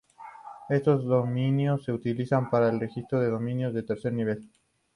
Estos dominios se utilizan para el registro de dominios de tercer nivel.